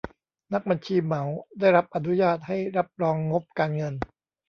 นักบัญชีเหมาได้รับอนุญาตให้รับรองงบการเงิน